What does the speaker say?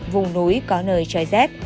vùng núi có nơi trời rét